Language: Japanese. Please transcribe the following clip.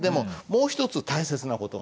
もう一つ大切なこと。